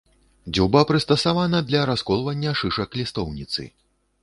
Дзюба прыстасавана для расколвання шышак лістоўніцы.